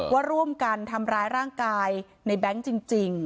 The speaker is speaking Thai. ว่าร่วมกันทำร้ายร่างกายในแบงค์จริง